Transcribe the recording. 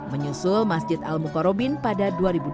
menyusul masjid al mukarobin pada dua ribu dua puluh